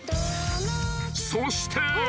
［そして］